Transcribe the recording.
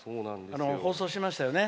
放送しましたよね。